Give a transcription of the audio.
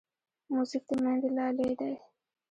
موزیک د میندې لالې دی.